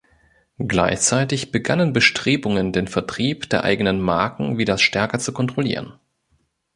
Gleichzeitig begannen Bestrebungen, den Vertrieb der eigenen Marken wieder stärker zu kontrollieren.